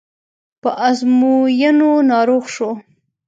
په ازموینو ناروغ شو.